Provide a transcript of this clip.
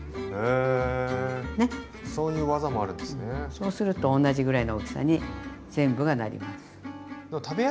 そうすると同じぐらいの大きさに全部がなります。